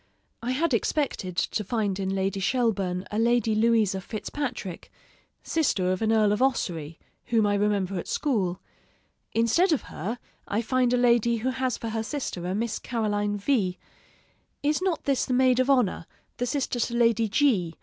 I had expected to find in Lady Shelburne a Lady Louisa Fitzpatrick, sister of an Earl of Ossory, whom I remember at school; instead of her, I find a lady who has for her sister a Miss Caroline V : is not this the maid of honor, the sister to Lady G